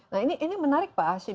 nah ini menarik pak hashim